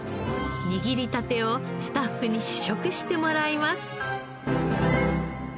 握りたてをスタッフに試食してもらいます。